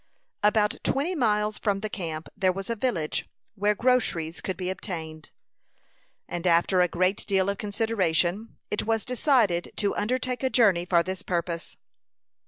About twenty miles from the camp there was a village where groceries could be obtained; and after a great deal of consideration it was decided to undertake a journey for this purpose.